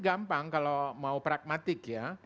gampang kalau mau pragmatik ya